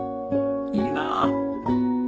いいなあ。